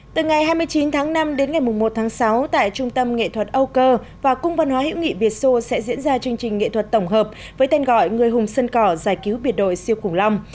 từ ngày hai mươi chín tháng năm đến ngày một tháng sáu tại trung tâm nghệ thuật âu cơ và cung văn hóa hữu nghị việt xô sẽ diễn ra chương trình nghệ thuật tổng hợp với tên gọi người hùng sân cỏ giải cứu biệt đội siêu củng long